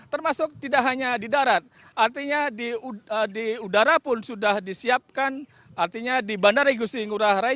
termasuk tidak hanya di darat artinya di udara pun sudah disiapkan artinya di bandara igusti ngurah rai